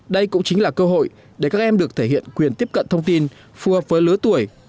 đây cũng chính là cơ hội để các em được thể hiện quyền tiếp cận thông tin phù hợp với lứa tuổi